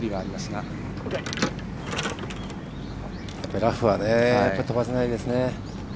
ラフは飛ばせないですね。